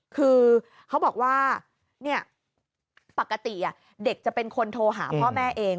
คือเขาบอกว่าปกติเด็กจะเป็นคนโทรหาพ่อแม่เอง